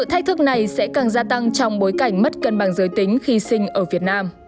hãy đăng ký kênh để ủng hộ kênh của mình nhé